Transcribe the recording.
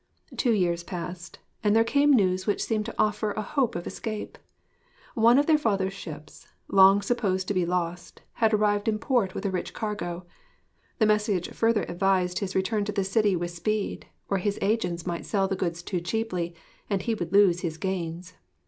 Two years passed, and there came news which seemed to offer a hope to escape. One of their father's ships, long supposed to be lost, had arrived in port with a rich cargo. The message further advised his return to the city with speed, or his, agents might sell the goods too cheaply and he would lose his gains.